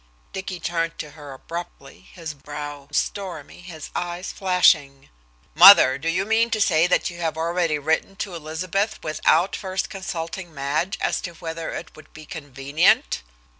Dicky turned to her abruptly, his brow stormy, his eyes flashing. "Mother, do you mean to say that you have already written to Elizabeth without first consulting Madge as to whether it would be convenient?"